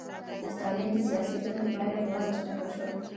د ستالین د سیاستونو په پایله کې وده چټکه شوه